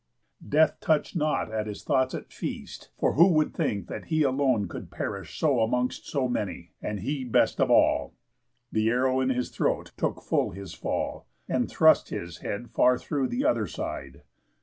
Death touch'd not at his thoughts at feast; for who Would think that he alone could perish so Amongst so many, and he best of all? The arrow in his throat took full his fall, And thrust his head far through the other side.